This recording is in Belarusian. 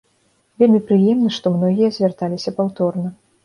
Вельмі прыемна, што многія звярталіся паўторна.